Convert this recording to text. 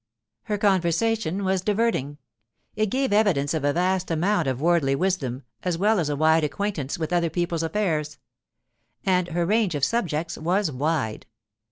Her conversation was diverting; it gave evidence of a vast amount of worldly wisdom as well as a wide acquaintance with other people's affairs. And her range of subjects was wide.